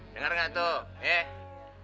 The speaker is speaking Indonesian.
dengar gak tuh he